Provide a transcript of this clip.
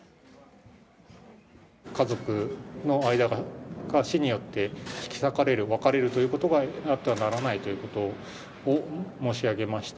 家族の間が死によって引き裂かれる、別れるということがあってはならないということを申し上げました。